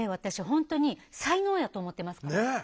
本当に才能やと思ってますから。ね！